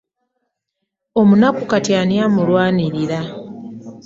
Omunaku kati ani amulwanirira?